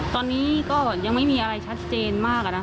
ตอนนี้ก็ยังไม่มีอะไรชัดเจนมาก